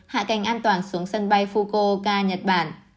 hạ cánh an toàn xuống sân bay fukuoka nhật bản